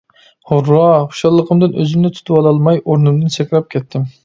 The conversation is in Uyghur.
ھۇررا! خۇشاللىقىمدىن ئۆزۈمنى تۇتۇۋالالماي ئورنۇمدىن سەكرەپ كەتتىم.